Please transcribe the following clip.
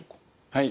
はい。